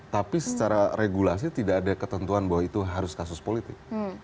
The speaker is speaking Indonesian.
tapi secara regulasi tidak ada ketentuan bahwa itu harus kasus politik